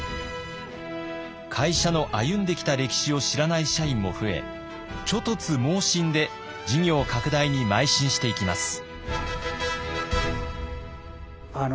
会社の歩んできた歴史を知らない社員も増え猪突猛進で事業拡大にまい進していきます。